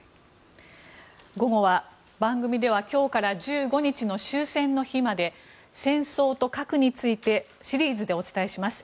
午後は番組では今日から１５日の終戦の日まで、戦争と核についてシリーズでお伝えします。